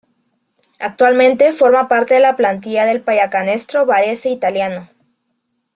Actualmente forma parte de la plantilla del Pallacanestro Varese italiano.